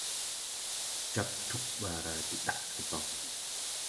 Jāg tug baara de dag deban.